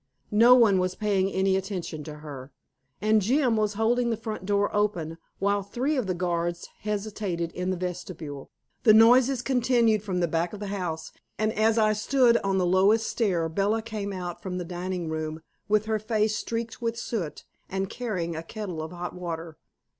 No one was paying any attention to her. And Jim was holding the front door open, while three of the guards hesitated in the vestibule. The noises continued from the back of the house, and as I stood on the lowest stair Bella came out from the dining room, with her face streaked with soot, and carrying a kettle of hot water.